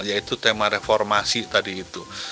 yaitu tema reformasi tadi itu